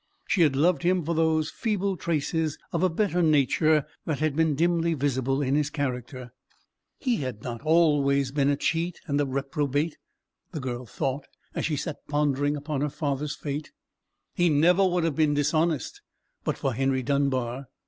She had loved him for those feeble traces of a better nature that had been dimly visible in his character. "He had not been always a cheat and reprobate," the girl thought as she sat pondering upon her father's fate. "He never would have been dishonest but for Henry Dunbar."